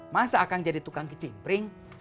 masa akang jadi tukang kicimpring